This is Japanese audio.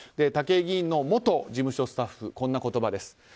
武井議員の元事務所スタッフこんな言葉です。